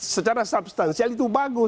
secara substansial itu bagus